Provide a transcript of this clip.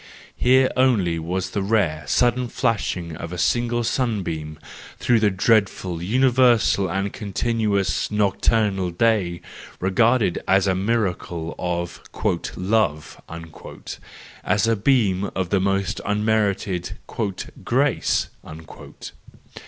Here only was the rare, sudden flashing of a single sunbeam through the dreadful, universal and continuous nocturnal day regarded as a miracle of "love," as a beam of the most unmerited " grace."